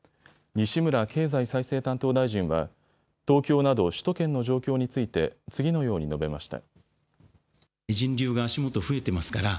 西村経済再生担当大臣は東京など首都圏の状況について次のように述べました。